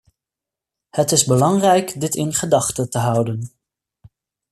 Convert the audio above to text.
Het is belangrijk dit in gedachte te houden.